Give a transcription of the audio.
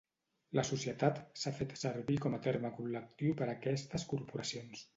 "La Societat" s'ha fet servir com a terme col·lectiu per a aquestes corporacions.